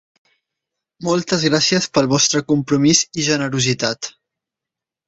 Moltes gràcies pel vostre compromís i generositat.